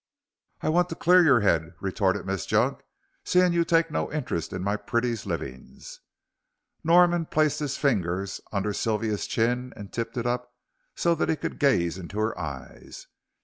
"I want to clear your 'ead," retorted Miss Junk, "seeing you take no interest in my pretty's livings." Norman placed his fingers under Sylvia's chin, and tipped it up so that he could gaze into her eyes.